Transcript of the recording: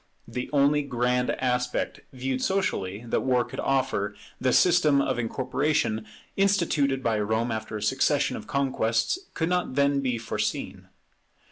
The only grand aspect, viewed socially, that war could offer, the system of incorporation instituted by Rome after a succession of conquests, could not then be foreseen.